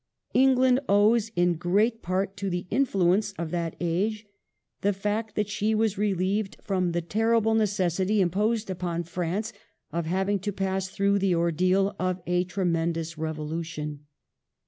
England owes in great part to the influence of that age the fact that she was relieved from the terrible 408 THE EEIGN OF QEEEN ANNE. ch. xl. necessity imposed upon France of having to pass through the ordeal of a tremendous revolution.